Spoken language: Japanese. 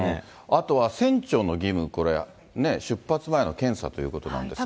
あとは船長の義務、これ、出発前の検査ということなんですが。